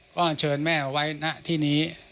ก็อันเชิญแม่เอาไว้ณที่นี้